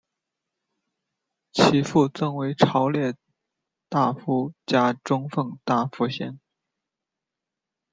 其父赠为朝列大夫加中奉大夫衔。